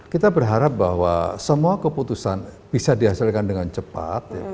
kita berharap bahwa semua keputusan bisa dihasilkan dengan cepat